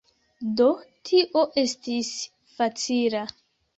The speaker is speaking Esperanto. Do tio estis facila.